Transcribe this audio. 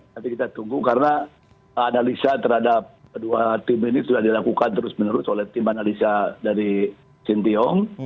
tapi kita tunggu karena analisa terhadap kedua tim ini sudah dilakukan terus menerus oleh tim analisa dari sintiong